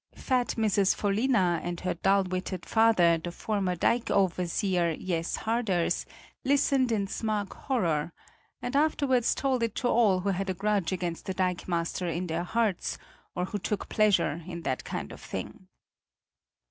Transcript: Fat Mrs. Vollina and her dull witted father, the former dike overseer, Jess Harders, listened in smug horror and afterwards told it to all who had a grudge against the dikemaster in their hearts or who took pleasure in that kind of thing.